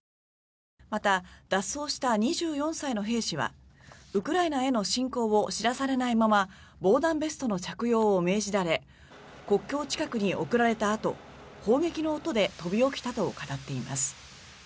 また脱走した２４歳の兵士はウクライナへの侵攻を知らされないまま防弾ベストの着用を命じられ国境近くに送られたあと砲撃の音で飛び起きたと語っています。